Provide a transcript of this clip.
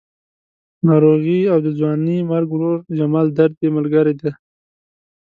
ناروغي او د ځوانې مرګ ورور جمال درد یې ملګري دي.